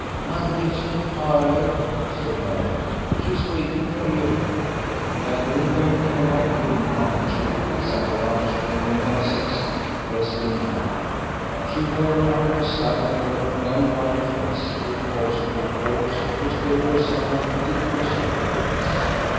"Mother is in the parlour," said Mary; "she is waiting for you." By the window, in a wide wooden arm chair, sat a large woman about sixty, dressed in black. She wore on either side of her long white face two corkscrew curls, which gave her a somewhat ridiculous appearance.